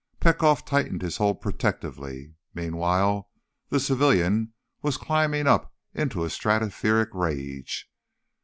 Petkoff tightened his hold protectively. Meanwhile, the civilian was climbing up into a stratospheric rage.